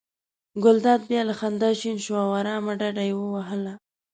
ګلداد بیا له خندا شین شو او آرامه ډډه یې ووهله.